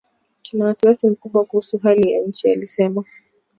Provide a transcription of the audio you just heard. Tuna wasiwasi mkubwa kuhusu hali ya nchi alisema